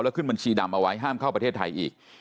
แล้วขึ้นบัญชีดำเอาไว้ห้ามเข้าประเทศไทยอีก